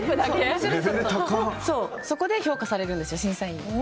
そこで評価されるんです審査員に。